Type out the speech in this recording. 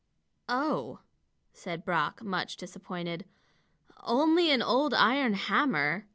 "Oh!" said Brock, much disappointed, "only an old iron hammer!